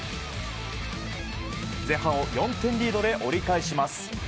前半を４点リードで折り返します。